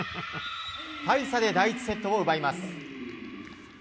大差で第１セットを奪います。